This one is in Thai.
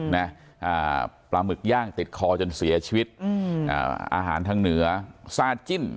นะอ่าปลาหมึกย่างติดคอจนเสียชีวิตอืมอ่าอาหารทางเหนือซาดจิ้ม